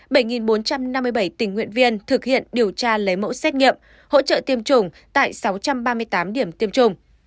bảy bốn trăm năm mươi bảy tình nguyện viên thực hiện điều tra lấy mẫu xét nghiệm hỗ trợ tiêm chủng tại sáu trăm ba mươi tám điểm tiêm chủng